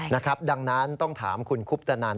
นะครับดังนั้นต้องถามคุณคุปตนัน